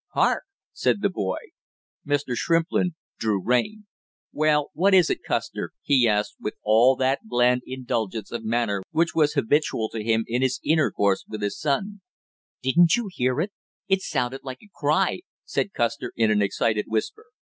"Hark!" said the boy. Mr. Shrimplin drew rein. "Well, what is it, Custer?" he asked, with all that bland indulgence of manner which was habitual to him in his intercourse with his son. "Didn't you hear, it sounded like a cry!" said Custer, in an excited whisper.